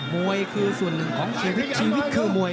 มวยคือส่วนหนึ่งของชีวิตชีวิตคือมวย